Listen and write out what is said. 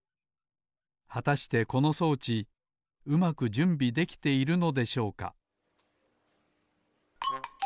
はたしてこの装置うまくじゅんびできているのでしょうか？